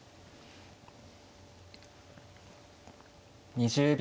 ２０秒。